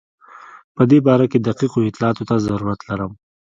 په دې باره کې دقیقو اطلاعاتو ته ضرورت لرم.